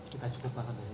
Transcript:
kita cukup mas andres